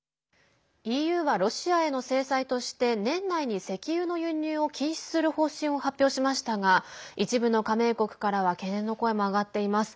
ＥＵはロシアへの制裁として年内に石油の輸入を禁止する方針を発表しましたが一部の加盟国からは懸念の声も上がっています。